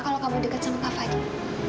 kalau kamu dekat sama kak fadil